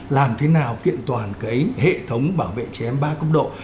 làm thế nào kiện toàn cái hệ thống bảo vệ trẻ em ba cấp độ